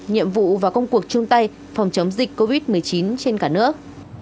nhiệm vụ và công cuộc chung tay phòng chống dịch covid một mươi chín trên cả nước